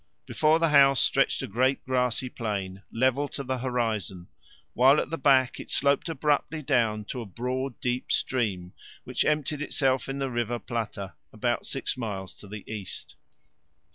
Before the house stretched a great grassy plain, level to the horizon, while at the back it sloped abruptly down to a broad, deep stream, which emptied itself in the river Plata, about six miles to the east.